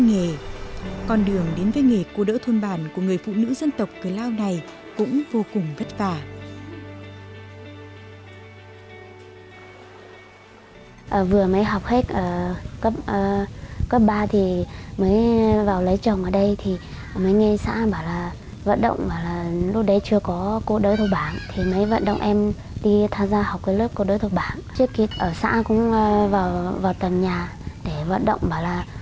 những nghề cô đỡ thôn bản của người phụ nữ dân tộc cơ lao này cũng vô cùng vất vả